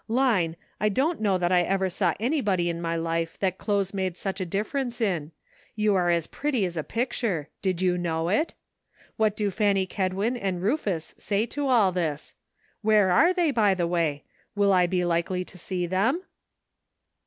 Line, I don't know that I ever saw anybody in my life that clothes made such a difference in ; you are just as pretty as a picture, did you know it? What do Fanny Kedwin and Rufus "MERRY CHRISTMAS." 319 say to all this? Where are they, by the way? Will I be likely to see them